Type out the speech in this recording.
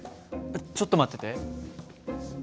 ちょっと待ってて。